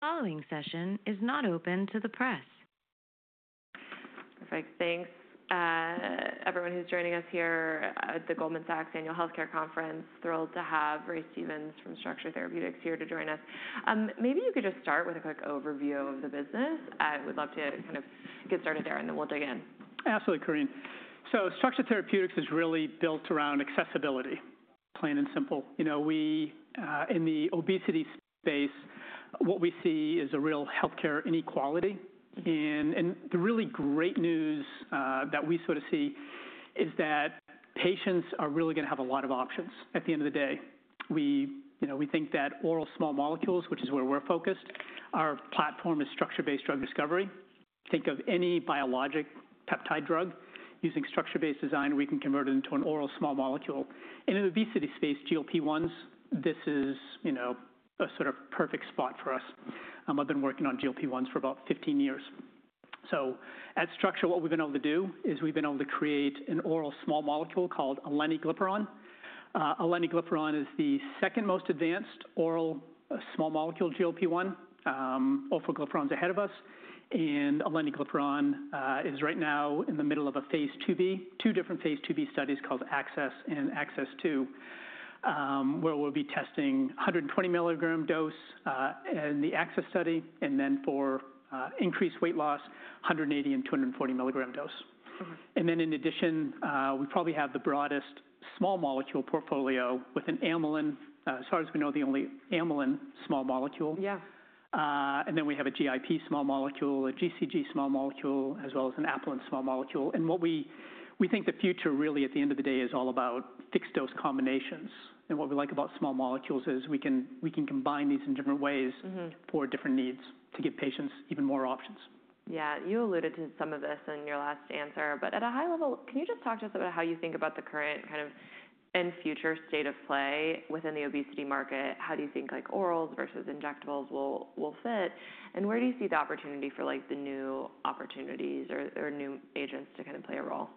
Following session is not open to the press. Perfect. Thanks. Everyone who's joining us here at the Goldman Sachs Annual Healthcare Conference, thrilled to have Ray Stevens from Structure Therapeutics here to join us. Maybe you could just start with a quick overview of the business. I would love to kind of get started there, and then we'll dig in. Absolutely, Corinne. Structure Therapeutics is really built around accessibility, plain and simple. In the obesity space, what we see is a real healthcare inequality. The really great news that we sort of see is that patients are really going to have a lot of options at the end of the day. We think that oral small molecules, which is where we're focused, our platform is structure-based drug discovery. Think of any biologic peptide drug. Using structure-based design, we can convert it into an oral small molecule. In the obesity space, GLP-1s, this is a sort of perfect spot for us. I've been working on GLP-1s for about 15 years. At Structure, what we've been able to do is we've been able to create an oral small molecule called aaleniglipron. Aaleniglipron is the second most advanced oral small molecule GLP-1. Orforglipron is ahead of us. Alendagliparan is right now in the middle of a phase II B, two different phase II B studies called AXS and AXS2, where we'll be testing 120 mg dose in the AXS study, and then for increased weight loss, 180 and 240 mg dose. In addition, we probably have the broadest small molecule portfolio with an amylin, as far as we know, the only amylin small molecule. We have a GIP small molecule, a GCG small molecule, as well as an Apelin small molecule. What we think the future really, at the end of the day, is all about fixed dose combinations. What we like about small molecules is we can combine these in different ways for different needs to give patients even more options. Yeah, you alluded to some of this in your last answer. At a high level, can you just talk to us about how you think about the current kind of and future state of play within the obesity market? How do you think orals versus injectables will fit? Where do you see the opportunity for the new opportunities or new agents to kind of play a role?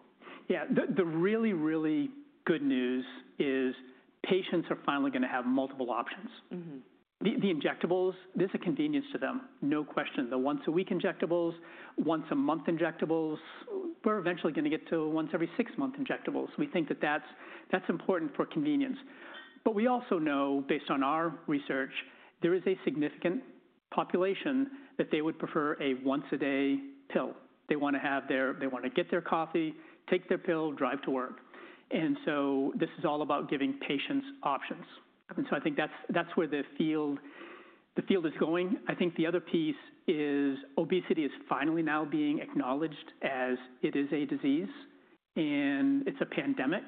Yeah, the really, really good news is patients are finally going to have multiple options. The injectables, this is a convenience to them, no question. The once-a-week injectables, once-a-month injectables. We're eventually going to get to once-every-six-month injectables. We think that that's important for convenience. We also know, based on our research, there is a significant population that would prefer a once-a-day pill. They want to have their, they want to get their coffee, take their pill, drive to work. This is all about giving patients options. I think that's where the field is going. I think the other piece is obesity is finally now being acknowledged as it is a disease, and it's a pandemic.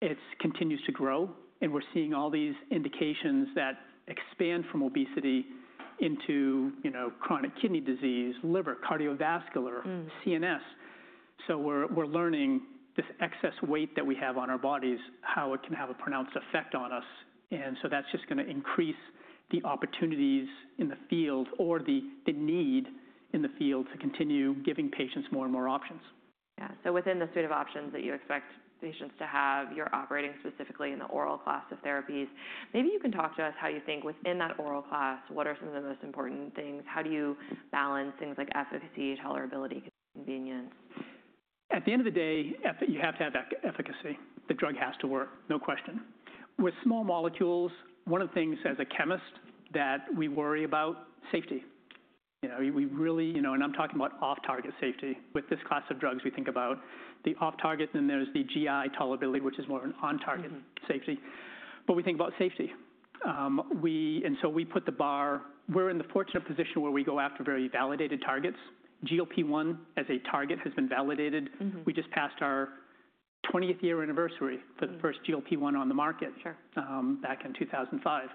It continues to grow. We're seeing all these indications that expand from obesity into chronic kidney disease, liver, cardiovascular, CNS. We're learning this excess weight that we have on our bodies, how it can have a pronounced effect on us. That's just going to increase the opportunities in the field or the need in the field to continue giving patients more and more options. Yeah, so within the suite of options that you expect patients to have, you're operating specifically in the oral class of therapies. Maybe you can talk to us how you think within that oral class, what are some of the most important things? How do you balance things like efficacy, tolerability, convenience? At the end of the day, you have to have efficacy. The drug has to work, no question. With small molecules, one of the things as a chemist that we worry about is safety. And I'm talking about off-target safety. With this class of drugs, we think about the off-target, and then there's the GI tolerability, which is more of an on-target safety. But we think about safety. And so we put the bar, we're in the fortunate position where we go after very validated targets. GLP-1 as a target has been validated. We just passed our 20th year anniversary for the first GLP-1 on the market back in 2005.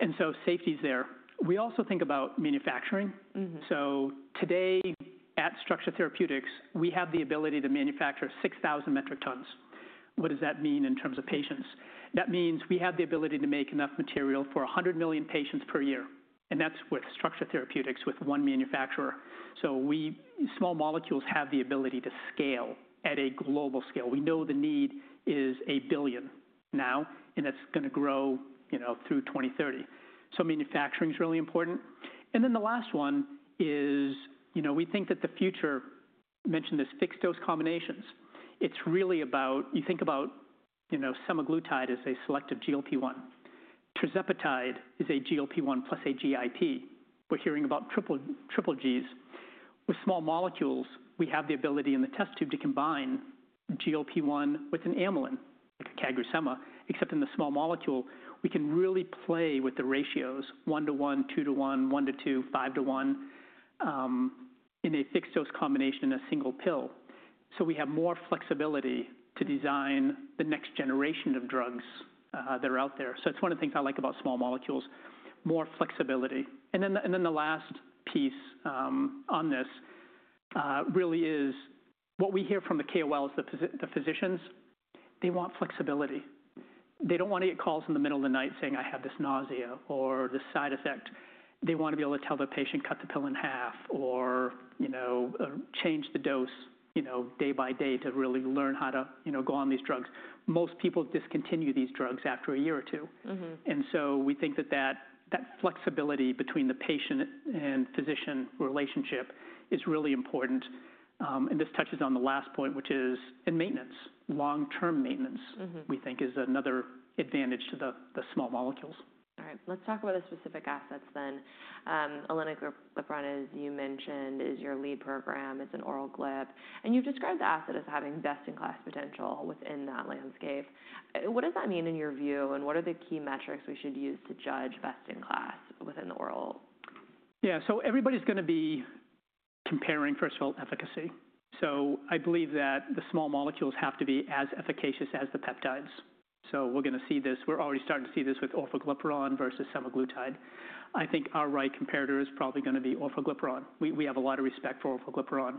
And so safety is there. We also think about manufacturing. Today at Structure Therapeutics, we have the ability to manufacture 6,000 metric tons. What does that mean in terms of patients? That means we have the ability to make enough material for 100 million patients per year. That is with Structure Therapeutics, with one manufacturer. Small molecules have the ability to scale at a global scale. We know the need is a billion now, and it is going to grow through 2030. Manufacturing is really important. The last one is we think that the future, I mentioned this fixed dose combinations. It is really about, you think about semaglutide as a selective GLP-1. Tirzepatide is a GLP-1 plus a GIP. We are hearing about triple Gs. With small molecules, we have the ability in the test tube to combine GLP-1 with an amylin, like a CagriSema, except in the small molecule, we can really play with the ratios, one to one, two to one, one to two, five to one in a fixed dose combination in a single pill. We have more flexibility to design the next generation of drugs that are out there. It is one of the things I like about small molecules, more flexibility. The last piece on this really is what we hear from the KOLs, the physicians, they want flexibility. They do not want to get calls in the middle of the night saying, "I have this nausea" or "this side effect." They want to be able to tell the patient, "Cut the pill in half" or "Change the dose day by day to really learn how to go on these drugs." Most people discontinue these drugs after a year or two. We think that that flexibility between the patient and physician relationship is really important. This touches on the last point, which is in maintenance, long-term maintenance, we think is another advantage to the small molecules. All right, let's talk about the specific assets then. aaleniglipron, as you mentioned, is your lead program. It's an oral GLP-1. And you've described the asset as having best-in-class potential within that landscape. What does that mean in your view, and what are the key metrics we should use to judge best-in-class within the oral? Yeah, so everybody's going to be comparing, first of all, efficacy. I believe that the small molecules have to be as efficacious as the peptides. We're going to see this. We're already starting to see this with orforglipron versus semaglutide. I think our right comparator is probably going to be orforglipron. We have a lot of respect for orforglipron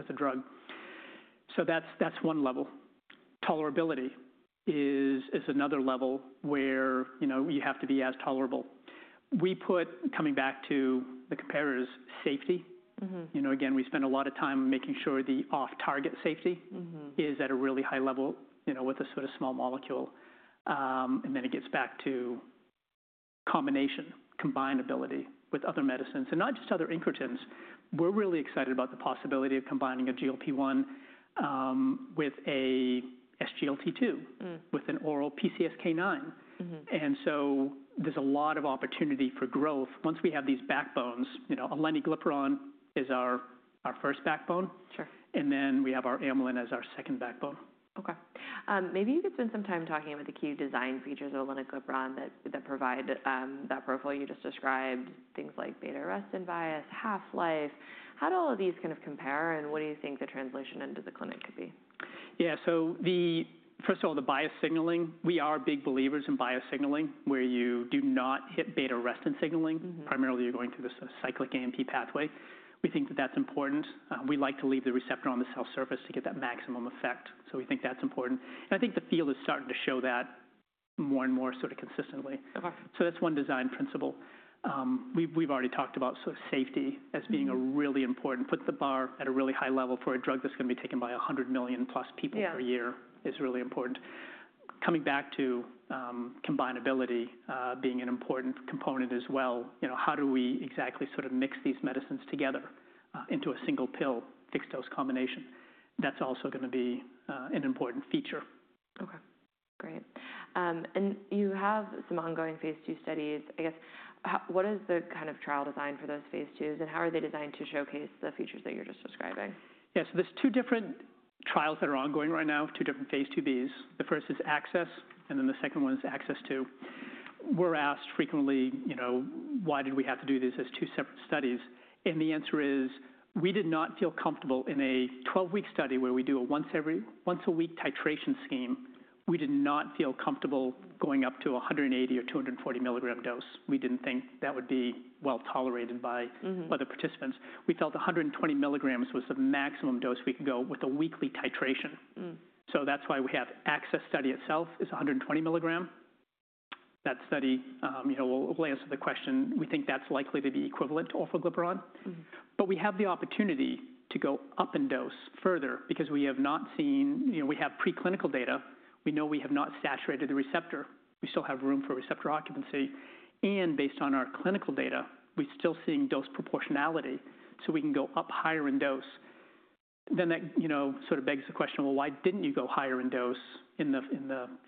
as a drug. That's one level. Tolerability is another level where you have to be as tolerable. We put, coming back to the comparators, safety. Again, we spend a lot of time making sure the off-target safety is at a really high level with a sort of small molecule. It gets back to combination, combine ability with other medicines, and not just other ingredients. We're really excited about the possibility of combining a GLP-1 with an SGLT-2, with an oral PCSK9. There's a lot of opportunity for growth once we have these backbones. aaleniglipron is our first backbone. Then we have our amylin as our second backbone. Okay. Maybe you could spend some time talking about the key design features of aaleniglipron that provide that profile you just described, things like beta-arrestin bias, half-life. How do all of these kind of compare, and what do you think the translation into the clinic could be? Yeah, so first of all, the biosignaling, we are big believers in biosignaling, where you do not hit beta-arrestin signaling. Primarily, you're going through this cyclic AMP pathway. We think that that's important. We like to leave the receptor on the cell surface to get that maximum effect. We think that's important. I think the field is starting to show that more and more sort of consistently. That's one design principle. We've already talked about safety as being really important. Put the bar at a really high level for a drug that's going to be taken by 100 million plus people per year is really important. Coming back to combine ability being an important component as well. How do we exactly sort of mix these medicines together into a single pill, fixed dose combination? That's also going to be an important feature. Okay, great. You have some ongoing phase II studies. I guess, what is the kind of trial design for those phase IIs, and how are they designed to showcase the features that you're just describing? Yeah, so there's two different trials that are ongoing right now, two different phase II Bs. The first is AXS, and then the second one is AXS2. We're asked frequently, why did we have to do these as two separate studies? The answer is we did not feel comfortable in a 12-week study where we do a once-a-week titration scheme. We did not feel comfortable going up to 180 or 240 milligram dose. We didn't think that would be well tolerated by other participants. We felt 120 milligrams was the maximum dose we could go with a weekly titration. That's why we have AXS study itself is 120 milligram. That study will answer the question. We think that's likely to be equivalent to orforglipron. We have the opportunity to go up in dose further because we have not seen, we have preclinical data. We know we have not saturated the receptor. We still have room for receptor occupancy. Based on our clinical data, we're still seeing dose proportionality. We can go up higher in dose. That sort of begs the question, why didn't you go higher in dose in the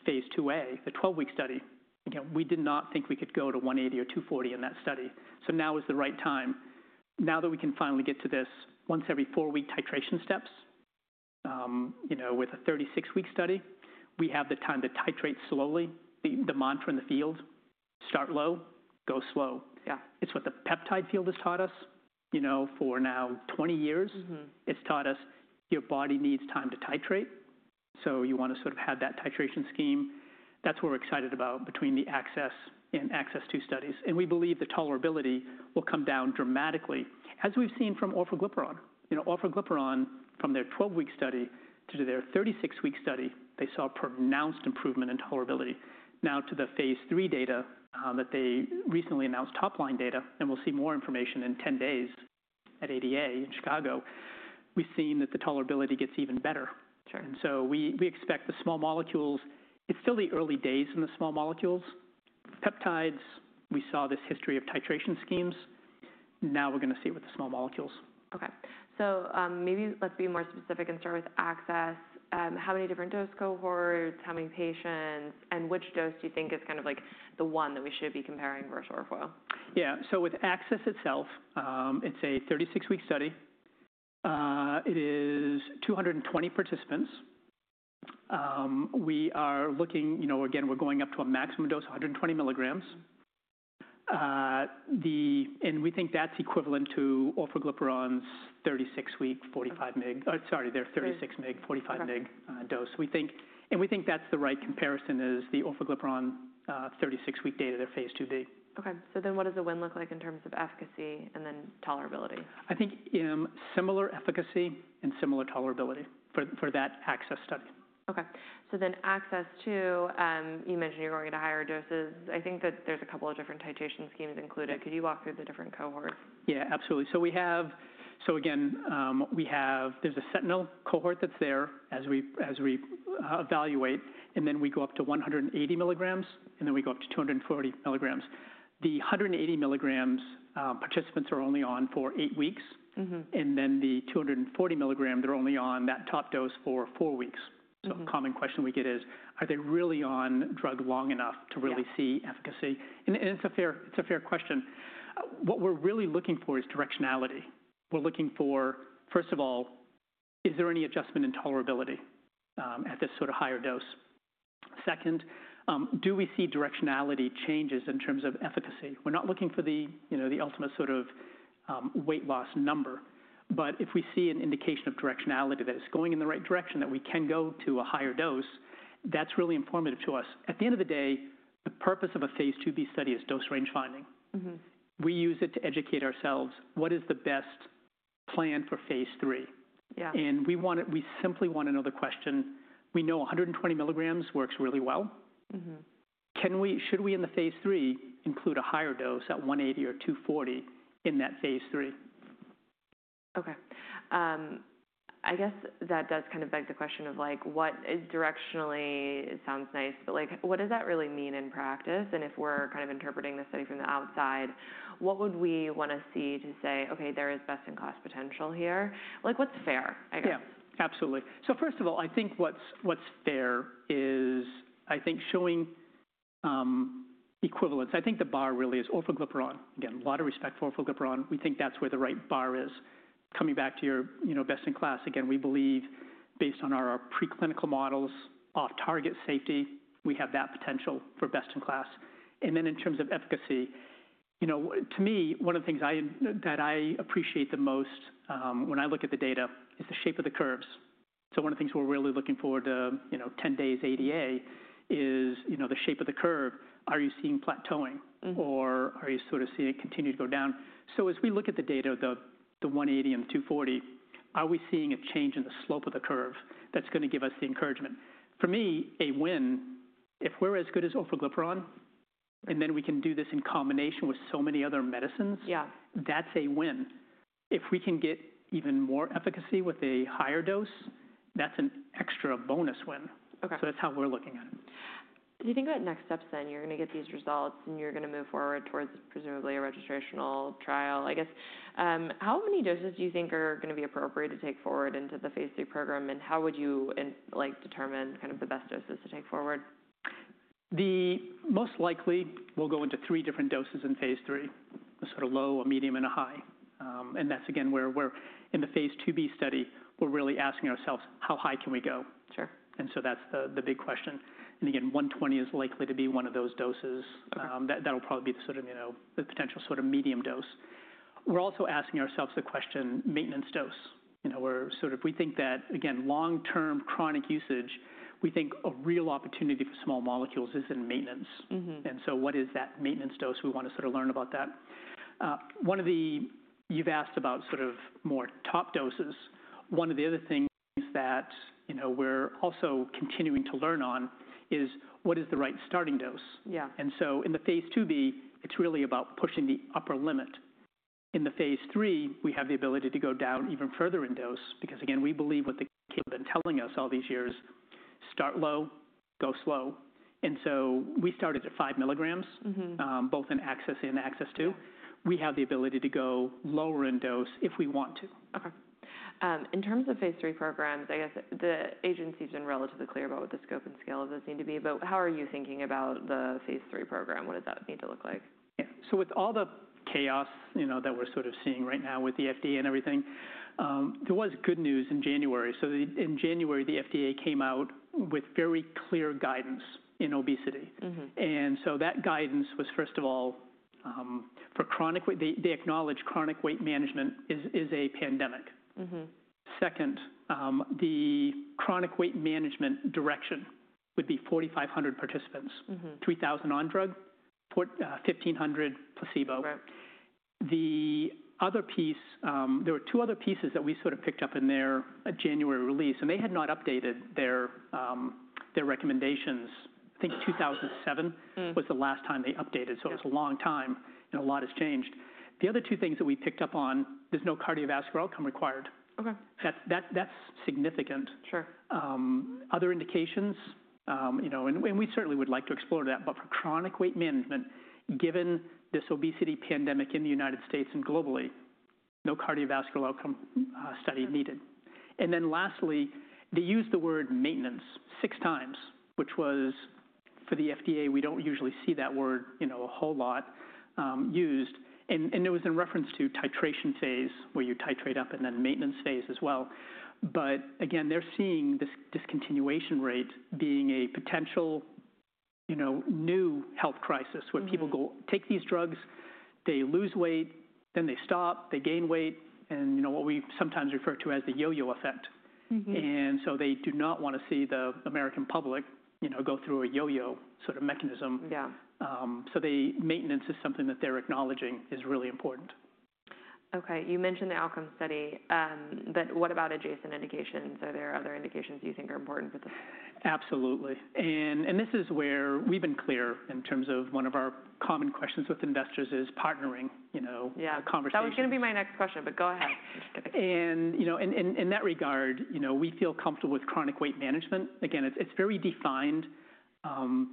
phase II A, the 12-week study? Again, we did not think we could go to 180 or 240 in that study. Now is the right time. Now that we can finally get to this once-every-four-week titration steps with a 36-week study, we have the time to titrate slowly. The mantra in the field, start low, go slow. It's what the peptide field has taught us for now 20 years. It's taught us your body needs time to titrate. You want to sort of have that titration scheme. That's what we're excited about between the ACCESS and ACCESS II studies. We believe the tolerability will come down dramatically, as we've seen from orforglipron. Orforglipron, from their 12-week study to their 36-week study, they saw a pronounced improvement in tolerability. Now to the phase III data that they recently announced, top-line data, and we'll see more information in 10 days at ADA in Chicago. We've seen that the tolerability gets even better. We expect the small molecules, it's still the early days in the small molecules. Peptides, we saw this history of titration schemes. Now we're going to see it with the small molecules. Okay, so maybe let's be more specific and start with AXS. How many different dose cohorts, how many patients, and which dose do you think is kind of like the one that we should be comparing versus orforglipron? Yeah, so with AXS itself, it's a 36-week study. It is 220 participants. We are looking, again, we're going up to a maximum dose, 120 mg. And we think that's equivalent to orforglipron's 36-week, 45-mg, sorry, their 36-mg, 45-mg dose. And we think that's the right comparison is the orforglipron 36-week data of their phase II B. Okay, so then what does the win look like in terms of efficacy and then tolerability? I think similar efficacy and similar tolerability for that AXS study. Okay, so then AXS2, you mentioned you're going to higher doses. I think that there's a couple of different titration schemes included. Could you walk through the different cohorts? Yeah, absolutely. Again, there's a sentinel cohort that's there as we evaluate. Then we go up to 180 mg, and then we go up to 240 mg. The 180 mg participants are only on for eight weeks. The 240 mg, they're only on that top dose for four weeks. A common question we get is, are they really on drug long enough to really see efficacy? It's a fair question. What we're really looking for is directionality. We're looking for, first of all, is there any adjustment in tolerability at this sort of higher dose? Second, do we see directionality changes in terms of efficacy? We're not looking for the ultimate sort of weight loss number. If we see an indication of directionality that it's going in the right direction, that we can go to a higher dose, that's really informative to us. At the end of the day, the purpose of a phase II B study is dose range finding. We use it to educate ourselves, what is the best plan for phase III? We simply want to know the question. We know 120 mg works really well. Should we in the phase III include a higher dose at 180 or 240 in that phase III? Okay. I guess that does kind of beg the question of what directionally sounds nice, but what does that really mean in practice? And if we're kind of interpreting the study from the outside, what would we want to see to say, okay, there is best-in-class potential here? What's fair, I guess? Yeah, absolutely. First of all, I think what's fair is, I think showing equivalence. I think the bar really is orforglipron. Again, a lot of respect for orforglipron. We think that's where the right bar is. Coming back to your best-in-class, again, we believe based on our preclinical models, off-target safety, we have that potential for best-in-class. In terms of efficacy, to me, one of the things that I appreciate the most when I look at the data is the shape of the curves. One of the things we're really looking forward to 10 days ADA is the shape of the curve. Are you seeing plateauing, or are you sort of seeing it continue to go down? As we look at the data, the 180 and the 240, are we seeing a change in the slope of the curve that's going to give us the encouragement? For me, a win, if we're as good as orforglipron, and then we can do this in combination with so many other medicines, that's a win. If we can get even more efficacy with a higher dose, that's an extra bonus win. That's how we're looking at it. Do you think about next steps then? You're going to get these results, and you're going to move forward towards presumably a registrational trial. I guess, how many doses do you think are going to be appropriate to take forward into the phase III program? How would you determine kind of the best doses to take forward? Most likely, we'll go into three different doses in phase III, a sort of low, a medium, and a high. That's again where in the phase II B study, we're really asking ourselves, how high can we go? That's the big question. Again, 120 is likely to be one of those doses. That'll probably be the sort of potential sort of medium dose. We're also asking ourselves the question, maintenance dose. We think that, again, long-term chronic usage, we think a real opportunity for small molecules is in maintenance. What is that maintenance dose? We want to sort of learn about that. You've asked about sort of more top doses. One of the other things that we're also continuing to learn on is what is the right starting dose? In the phase II B, it's really about pushing the upper limit. In the phase III, we have the ability to go down even further in dose because, again, we believe what the people have been telling us all these years, start low, go slow. We started at 5 mg, both in ACCESS and ACCESS II. We have the ability to go lower in dose if we want to. Okay. In terms of phase III programs, I guess the agency has been relatively clear about what the scope and scale of those need to be. How are you thinking about the phase III program? What does that need to look like? Yeah, so with all the chaos that we're sort of seeing right now with the FDA and everything, there was good news in January. In January, the FDA came out with very clear guidance in obesity. That guidance was, first of all, for chronic weight, they acknowledged chronic weight management is a pandemic. Second, the chronic weight management direction would be 4,500 participants, 3,000 on drug, 1,500 placebo. The other piece, there were two other pieces that we sort of picked up in their January release, and they had not updated their recommendations. I think 2007 was the last time they updated. It was a long time, and a lot has changed. The other two things that we picked up on, there's no cardiovascular outcome required. That's significant. Other indications, and we certainly would like to explore that, but for chronic weight management, given this obesity pandemic in the U.S. and globally, there's no cardiovascular outcome study needed. Lastly, they used the word maintenance six times, which was for the FDA, we do not usually see that word a whole lot used. It was in reference to titration phase, where you titrate up and then maintenance phase as well. Again, they are seeing this discontinuation rate being a potential new health crisis where people take these drugs, they lose weight, then they stop, they gain weight, and what we sometimes refer to as the yo-yo effect. They do not want to see the American public go through a yo-yo sort of mechanism. Maintenance is something that they are acknowledging is really important. Okay, you mentioned the outcome study, but what about adjacent indications? Are there other indications you think are important? Absolutely. This is where we've been clear in terms of one of our common questions with investors is partnering conversations. That was going to be my next question, but go ahead. In that regard, we feel comfortable with chronic weight management. Again, it's very defined, and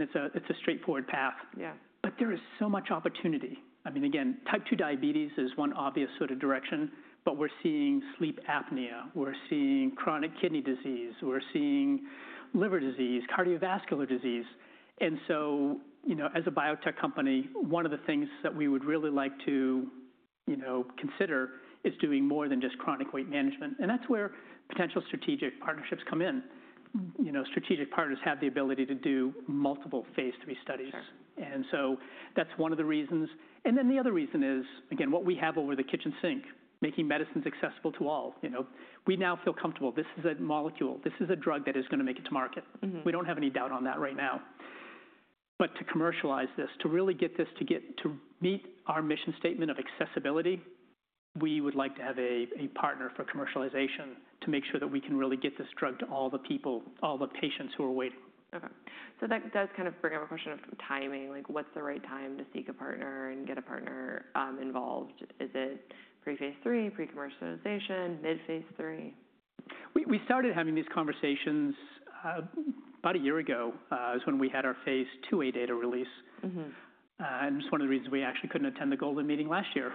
it's a straightforward path. There is so much opportunity. I mean, again, type 2 diabetes is one obvious sort of direction, but we're seeing sleep apnea, we're seeing chronic kidney disease, we're seeing liver disease, cardiovascular disease. As a biotech company, one of the things that we would really like to consider is doing more than just chronic weight management. That's where potential strategic partnerships come in. Strategic partners have the ability to do multiple phase III studies. That's one of the reasons. The other reason is, again, what we have over the kitchen sink, making medicines accessible to all. We now feel comfortable. This is a molecule. This is a drug that is going to make it to market. We don't have any doubt on that right now. To commercialize this, to really get this to meet our mission statement of accessibility, we would like to have a partner for commercialization to make sure that we can really get this drug to all the people, all the patients who are waiting. Okay. So that does kind of bring up a question of timing. What's the right time to seek a partner and get a partner involved? Is it pre-phase III, pre-commercialization, mid-phase III? We started having these conversations about a year ago. It was when we had our phase II A data release. It is one of the reasons we actually could not attend the Goldman Sachs Meeting last year.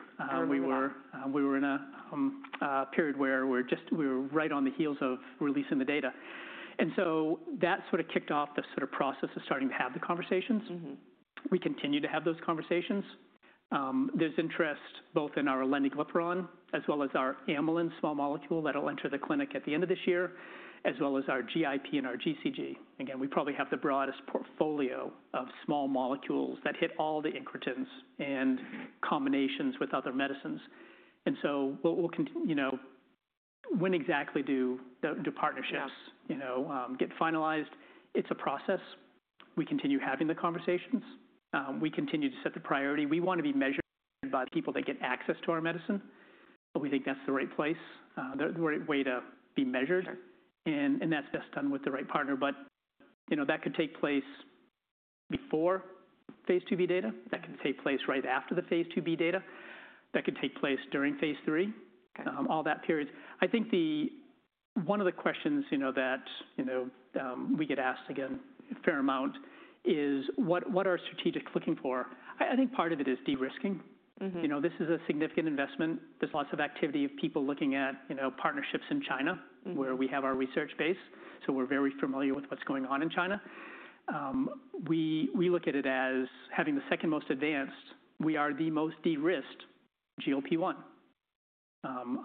We were in a period where we were right on the heels of releasing the data. That sort of kicked off the process of starting to have the conversations. We continue to have those conversations. There is interest both in our aaleniglipron as well as our amylin small molecule that will enter the clinic at the end of this year, as well as our GIP and our GCG. Again, we probably have the broadest portfolio of small molecules that hit all the incretins and combinations with other medicines. When exactly do partnerships get finalized? It is a process. We continue having the conversations. We continue to set the priority. We want to be measured by the people that get access to our medicine. We think that's the right place, the right way to be measured. That's best done with the right partner. That could take place before phase II B data. That could take place right after the phase II B data. That could take place during phase III, all that period. I think one of the questions that we get asked again a fair amount is, what are strategics looking for? I think part of it is de-risking. This is a significant investment. There's lots of activity of people looking at partnerships in China, where we have our research base. We're very familiar with what's going on in China. We look at it as having the second most advanced. We are the most de-risked GLP-1.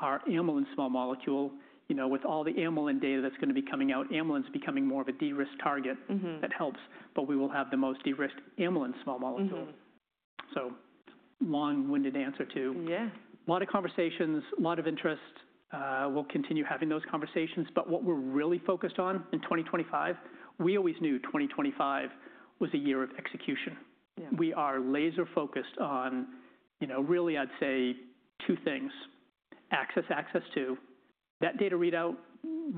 Our amylin small molecule, with all the amylin data that's going to be coming out, amylin is becoming more of a de-risked target that helps, but we will have the most de-risked amylin small molecule. Long-winded answer to a lot of conversations, a lot of interest. We'll continue having those conversations. What we're really focused on in 2025, we always knew 2025 was a year of execution. We are laser-focused on really, I'd say two things: access, access to that data readout.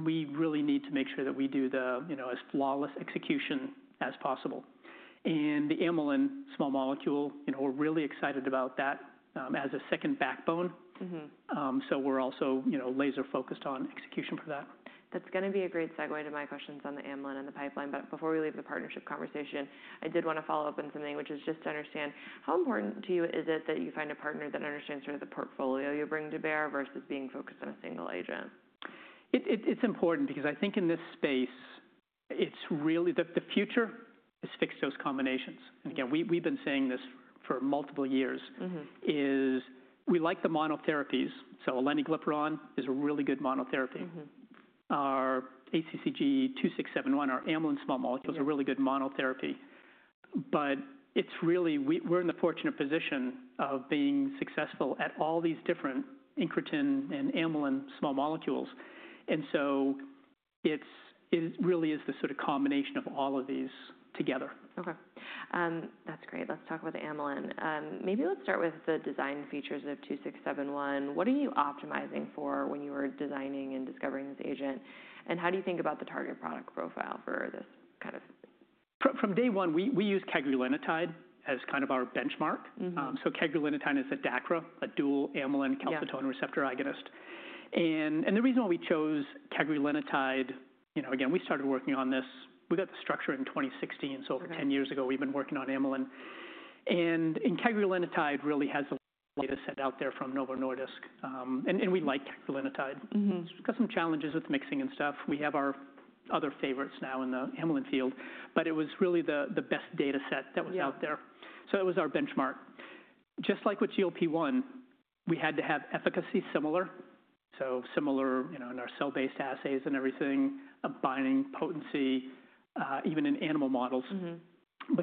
We really need to make sure that we do as flawless execution as possible. The amylin small molecule, we're really excited about that as a second backbone. We're also laser-focused on execution for that. That's going to be a great segue to my questions on the amylin and the pipeline. Before we leave the partnership conversation, I did want to follow up on something, which is just to understand how important to you is it that you find a partner that understands sort of the portfolio you bring to bear versus being focused on a single agent? It's important because I think in this space, the future is fixed dose combinations. Again, we've been saying this for multiple years, is we like the monotherapies. So aleniglipron is a really good monotherapy. Our ACCG 2671, our amylin small molecules are really good monotherapy. We're in the fortunate position of being successful at all these different incretin and amylin small molecules. It really is the sort of combination of all of these together. Okay. That's great. Let's talk about the amylin. Maybe let's start with the design features of 2671. What are you optimizing for when you were designing and discovering this agent? How do you think about the target product profile for this kind of? From day one, we use cagrilintide as kind of our benchmark. Cagrilintide is a DACRA, a dual amylin calcitonin receptor agonist. The reason why we chose cagrilintide, again, we started working on this. We got the structure in 2016, so over 10 years ago, we've been working on amylin. Cagrilintide really has the latest set out there from Novo Nordisk. We like cagrilintide. It's got some challenges with mixing and stuff. We have our other favorites now in the amylin field. It was really the best data set that was out there. It was our benchmark. Just like with GLP-1, we had to have efficacy similar. Similar in our cell-based assays and everything, a binding potency, even in animal models.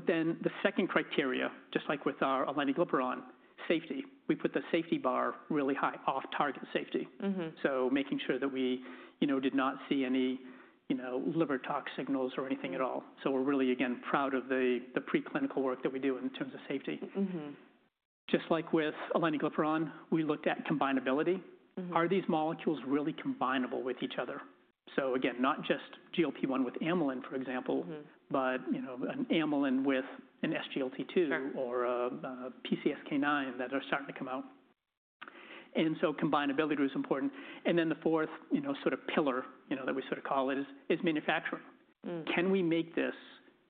The second criteria, just like with our aleniglipron, safety. We put the safety bar really high, off-target safety. Making sure that we did not see any liver tox signals or anything at all. We're really, again, proud of the preclinical work that we do in terms of safety. Just like with aleniglipron, we looked at combinability. Are these molecules really combinable with each other? Again, not just GLP-1 with amylin, for example, but an amylin with an SGLT-2 or a PCSK9 that are starting to come out. Combinability was important. The fourth sort of pillar that we call it is manufacturing. Can we make this?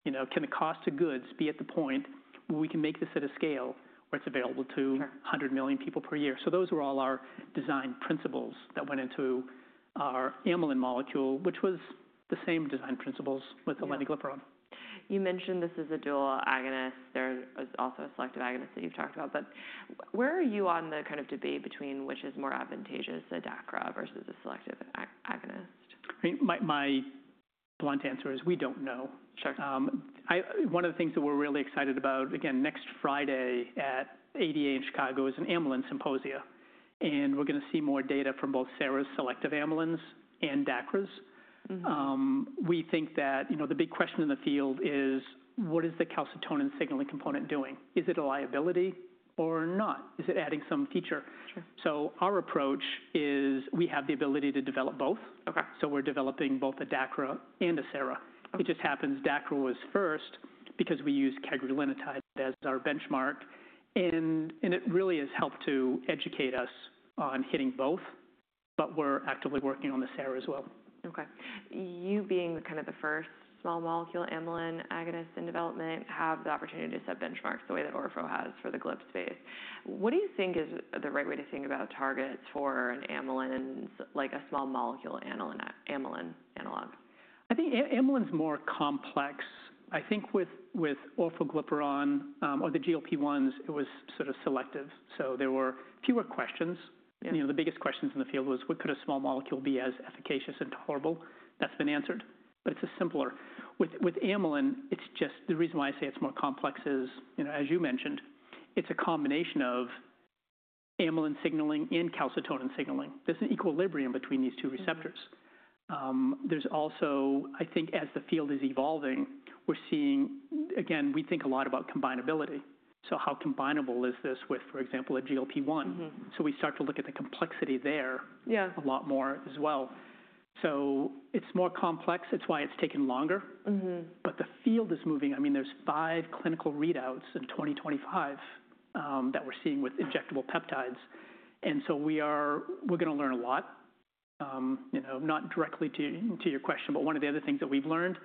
Can the cost of goods be at the point where we can make this at a scale where it's available to 100 million people per year? Those were all our design principles that went into our amylin molecule, which was the same design principles with theaaleniglipron You mentioned this is a dual agonist. There is also a selective agonist that you've talked about. Where are you on the kind of debate between which is more advantageous, a DACRA versus a selective agonist? My blunt answer is we do not know. One of the things that we are really excited about, again, next Friday at ADA in Chicago is an amylin symposia. We are going to see more data from both SERA's selective amylin and DACRA's. We think that the big question in the field is, what is the calcitonin signaling component doing? Is it a liability or not? Is it adding some feature? Our approach is we have the ability to develop both. We are developing both a DACRA and a SERA. It just happens DACRA was first because we use cagrilintide as our benchmark. It really has helped to educate us on hitting both, but we are actively working on the SERA as well. Okay. You being kind of the first small molecule amylin agonist in development have the opportunity to set benchmarks the way that orforglipron has for the GLP-1 space. What do you think is the right way to think about targets for an amylin, like a small molecule amylin analog? I think amylin is more complex. I think with orforglipron or the GLP-1s, it was sort of selective. So there were fewer questions. The biggest questions in the field was, what could a small molecule be as efficacious and tolerable? That's been answered. But it's simpler. With amylin, it's just the reason why I say it's more complex is, as you mentioned, it's a combination of amylin signaling and calcitonin signaling. There's an equilibrium between these two receptors. There's also, I think as the field is evolving, we're seeing, again, we think a lot about combinability. So how combinable is this with, for example, a GLP-1? We start to look at the complexity there a lot more as well. It's more complex. It's why it's taken longer. The field is moving. I mean, there's five clinical readouts in 2025 that we're seeing with injectable peptides. We're going to learn a lot. Not directly to your question, but one of the other things that we've learned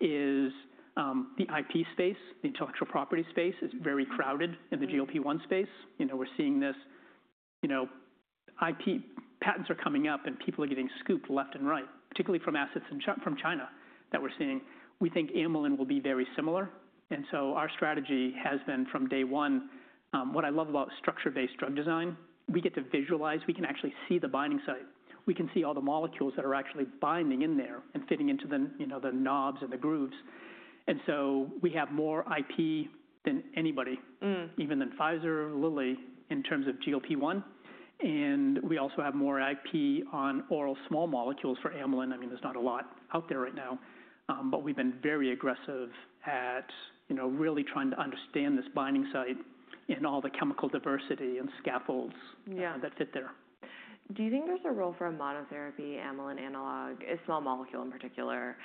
is the IP space, the intellectual property space is very crowded in the GLP-1 space. We're seeing this IP, patents are coming up and people are getting scooped left and right, particularly from assets from China that we're seeing. We think amylin will be very similar. Our strategy has been from day one, what I love about structure-based drug design, we get to visualize, we can actually see the binding site. We can see all the molecules that are actually binding in there and fitting into the knobs and the grooves. We have more IP than anybody, even than Pfizer or Lilly in terms of GLP-1. We also have more IP on oral small molecules for amylin. I mean, there's not a lot out there right now. We have been very aggressive at really trying to understand this binding site and all the chemical diversity and scaffolds that fit there. Do you think there's a role for a monotherapy amylin analog, a small molecule in particular?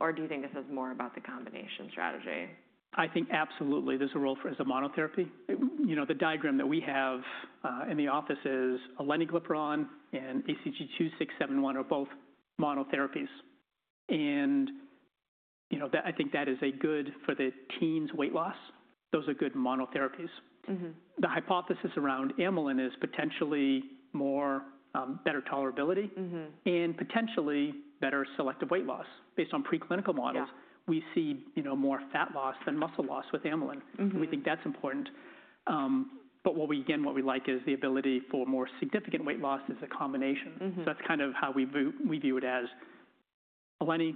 Or do you think this is more about the combination strategy? I think absolutely there's a role for it as a monotherapy. The diagram that we have in the office is a aleniglipron and ACG 2671 are both monotherapies. I think that is good for the team's weight loss. Those are good monotherapies. The hypothesis around amylin is potentially better tolerability and potentially better selective weight loss. Based on preclinical models, we see more fat loss than muscle loss with amylin. We think that's important. What we like is the ability for more significant weight loss as a combination. That's kind of how we view it as a leni,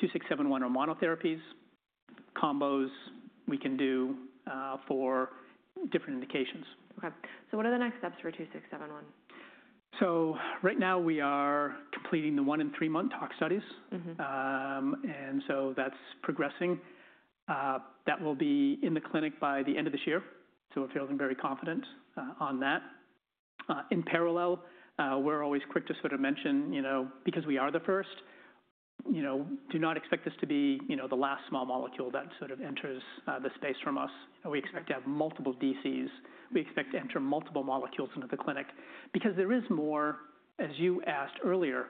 2671 are monotherapies, combos we can do for different indications. Okay. So what are the next steps for 2671? Right now we are completing the one and three month talk studies. That is progressing. That will be in the clinic by the end of this year. We are feeling very confident on that. In parallel, we are always quick to sort of mention, because we are the first, do not expect this to be the last small molecule that sort of enters the space from us. We expect to have multiple DCs. We expect to enter multiple molecules into the clinic. Because there is more, as you asked earlier,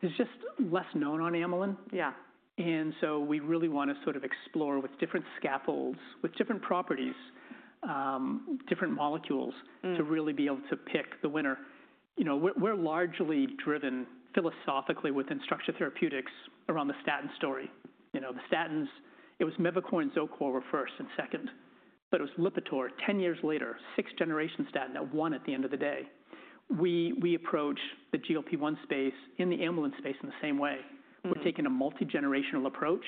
there is just less known on amylin. We really want to sort of explore with different scaffolds, with different properties, different molecules to really be able to pick the winner. We are largely driven philosophically within Structure Therapeutics around the statin story. The statins, it was Mevacor and Zocor were first and second. It was Lipitor, 10 years later, sixth-generation statin that won at the end of the day. We approach the GLP-1 space and the amylin space in the same way. We're taking a multi-generational approach.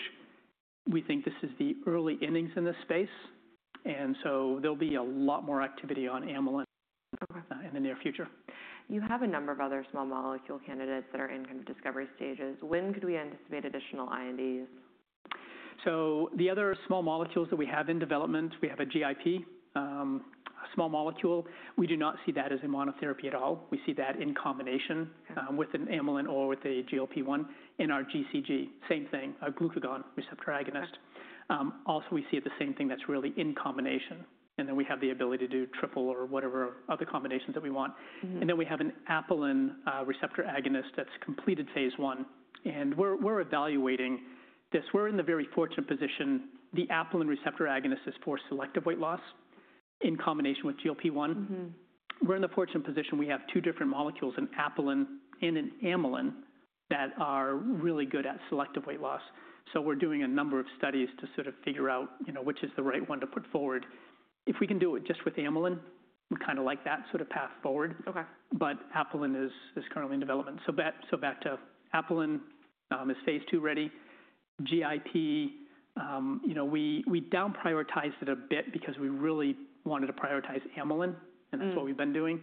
We think this is the early innings in this space. There'll be a lot more activity on amylin in the near future. You have a number of other small molecule candidates that are in kind of discovery stages. When could we anticipate additional INDs? The other small molecules that we have in development, we have a GIP, a small molecule. We do not see that as a monotherapy at all. We see that in combination with an amylin or with a GLP-1. In our GCG, same thing, a glucagon receptor agonist. Also, we see the same thing, that is really in combination. We have the ability to do triple or whatever other combinations that we want. We have an apelin receptor agonist that has completed phase I. We are evaluating this. We are in the very fortunate position, the apelin receptor agonist is for selective weight loss in combination with GLP-1. We are in the fortunate position we have two different molecules, an apelin and an amylin, that are really good at selective weight loss. We're doing a number of studies to sort of figure out which is the right one to put forward. If we can do it just with amylin, we kind of like that sort of path forward. Apelin is currently in development. Back to apelin, it is phase II ready. GIP, we downprioritized it a bit because we really wanted to prioritize amylin. That's what we've been doing.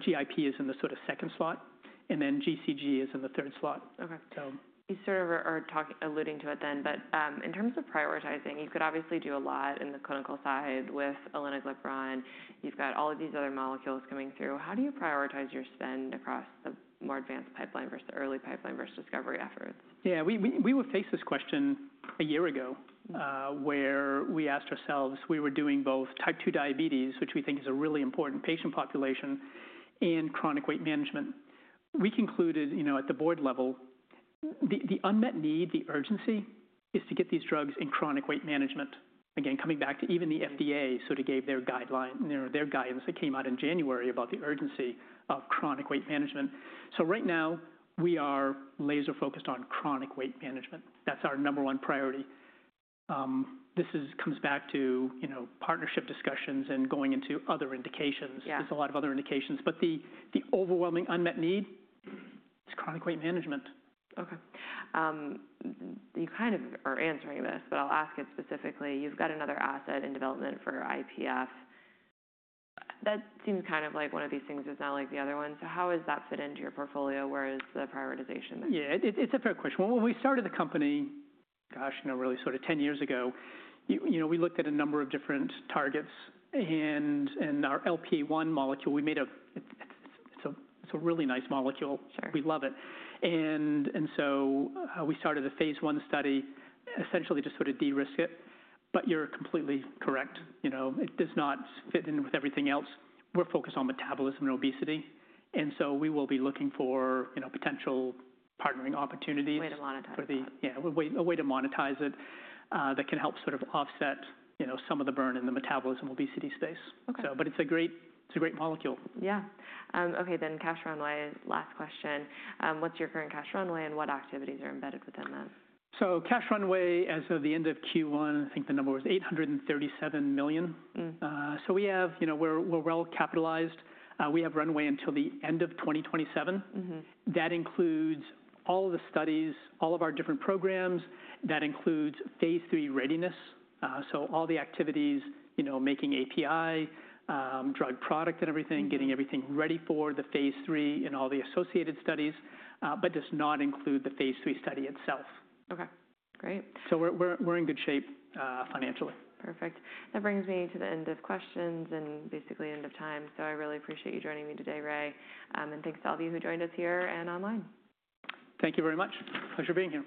GIP is in the sort of second slot. GCG is in the third slot. You sort of are alluding to it then. In terms of prioritizing, you could obviously do a lot in the clinical side with aleniglipron. You've got all of these other molecules coming through. How do you prioritize your spend across the more advanced pipeline versus the early pipeline versus discovery efforts? Yeah, we were faced with this question a year ago where we asked ourselves, we were doing both type 2 diabetes, which we think is a really important patient population, and chronic weight management. We concluded at the board level, the unmet need, the urgency is to get these drugs in chronic weight management. Again, coming back to even the FDA sort of gave their guidelines that came out in January about the urgency of chronic weight management. Right now, we are laser-focused on chronic weight management. That's our number one priority. This comes back to partnership discussions and going into other indications. There are a lot of other indications. The overwhelming unmet need is chronic weight management. Okay. You kind of are answering this, but I'll ask it specifically. You've got another asset in development for IPF. That seems kind of like one of these things is not like the other one. How does that fit into your portfolio? Where is the prioritization? Yeah, it's a fair question. When we started the company, gosh, really sort of 10 years ago, we looked at a number of different targets. And our GLP-1 molecule, we made a it's a really nice molecule. We love it. And so we started a phase I study, essentially to sort of de-risk it. But you're completely correct. It does not fit in with everything else. We're focused on metabolism and obesity. And so we will be looking for potential partnering opportunities. A way to monetize it. Yeah, a way to monetize it that can help sort of offset some of the burn in the metabolism obesity space. It is a great molecule. Yeah. Okay, then Cash Runway, last question. What's your current Cash Runway and what activities are embedded within that? Cash Runway, as of the end of Q1, I think the number was $837 million. We are well capitalized. We have runway until the end of 2027. That includes all of the studies, all of our different programs. That includes phase III readiness. All the activities, making API, drug product and everything, getting everything ready for the phase III and all the associated studies, but does not include the phase III study itself. Okay. Great. We're in good shape financially. Perfect. That brings me to the end of questions and basically end of time. I really appreciate you joining me today, Ray. Thanks to all of you who joined us here and online. Thank you very much. Pleasure being here.